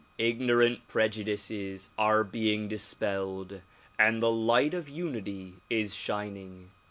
Ignorant prejudices are being dispelled and the light of unity is shining.